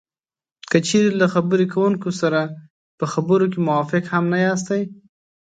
که چېرې له خبرې کوونکي سره په خبرو کې موافق هم نه یاستی